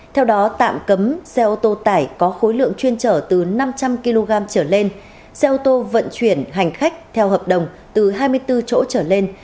theo đó tạm cấm xe ô tô tải có khối lượng chuyên trở từ năm trăm linh kg trở lên xe ô tô vận chuyển hành khách theo hợp đồng từ hai mươi bốn chỗ trở lên